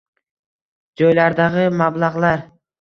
Joylardag‘i mablag‘lar